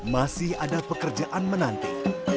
masih ada pekerjaan menanti